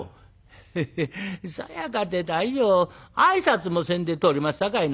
「ヘヘッそやかて大将挨拶もせんで通りますさかいな。